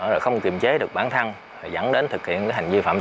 rồi không kiềm chế được bản thân rồi dẫn đến thực hiện cái hành vi phạm tội